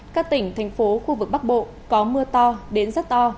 các tỉnh thành phố khu vực bắc bộ có mưa to đến rất to